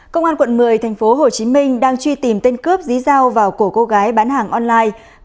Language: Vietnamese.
công an quận một mươi tp hcm đang truy tìm tên cướp dí dao vào cổ cô gái bán hàng online